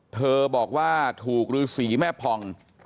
เธอบอกว่าถูกฤษีแม่ผ่อง